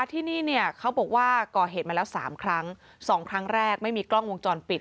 ที่นี่เนี่ยเขาบอกว่าก่อเหตุมาแล้วสามครั้งสองครั้งแรกไม่มีกล้องวงจรปิด